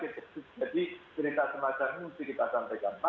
jadi cerita semacam ini mesti kita santai gantikan